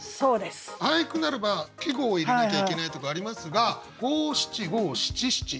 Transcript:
俳句ならば季語を入れなきゃいけないとかありますが五七五七七。